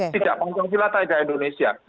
tidak pancasila tidak indonesia